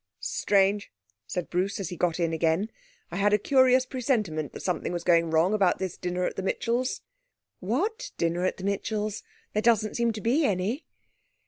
'Strange,' said Bruce, as he got in again. 'I had a curious presentiment that something was going wrong about this dinner at the Mitchells'.' 'What dinner at the Mitchells'? There doesn't seem to be any.'